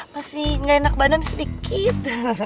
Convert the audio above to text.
masih enggak enak badan sedikit